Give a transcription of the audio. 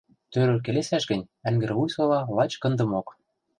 Тӧрӧк келесӓш гӹнь, Ӓнгӹрвуй сола лач кындымок.